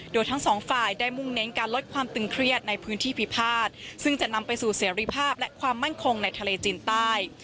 โดยทั้งสองฝ่ายได้มุ่งเน้นการลดความตึงเครียดในพื้นที่พิพาทซึ่งจะนำไปสู่เสรีภาพและความมั่นคงในทะเลจีนใต้